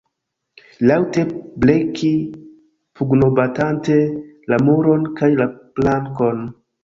Laŭte bleki pugnobatante la muron kaj la plankon.